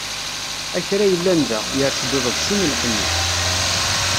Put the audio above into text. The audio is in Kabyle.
A kra yellan da, yers-d uḍebsi n lḥenni.